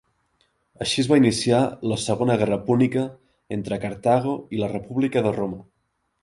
Així es va iniciar la Segona Guerra Púnica entre Cartago i la república de Roma.